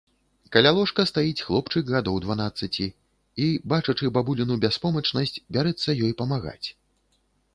Каля ложка стаіць хлопчык гадоў дванаццаці і, бачачы бабуліну бяспомачнасць, бярэцца ёй памагаць.